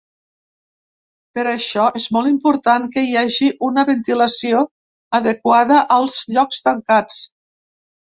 Per això és molt important que hi hagi una ventilació adequada als llocs tancats.